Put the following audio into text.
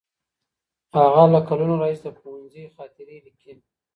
هغه له کلونو راهیسې د پوهنځي خاطرې لیکي.